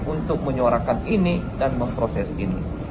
untuk menyuarakan ini dan memproses ini